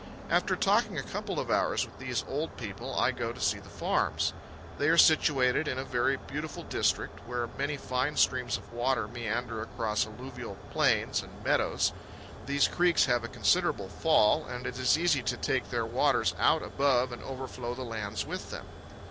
After talking a couple of hours with these old people, I go to see the farms. They are situated in a very beautiful district, where many fine streams of water meander across alluvial plains and meadows. These creeks have a considerable fall, and it is easy to take their waters out above and overflow the lands with them.